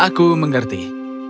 aku akan menangis juga